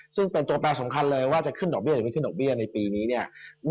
ซึ่งเป็นตัวแปรสำคัญเลยว่าจะขึ้นดอกเบี้หรือไม่ขึ้นดอกเบี้ยในปีนี้เนี่ย